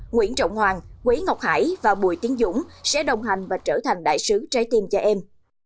nguyễn trọng hoàng quý ngọc hải và bùi tiến dũng sẽ đồng hành và trở thành đại sứ trái tim cho em